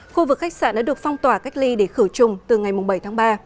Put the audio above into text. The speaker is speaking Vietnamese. khu vực khách sạn đã được phong tỏa cách ly để khử trùng từ ngày bảy tháng ba